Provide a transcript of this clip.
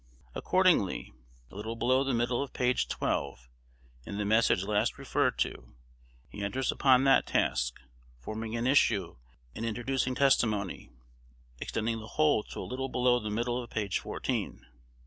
Accordingly, a little below the middle of page twelve, in the Message last referred to, he enters upon that task; forming an issue and introducing testimony, extending the whole to a little below the middle of page fourteen.